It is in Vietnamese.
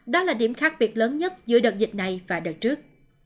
đó là điểm khác biệt lớn nhất giữa đợt dịch này và đợt trước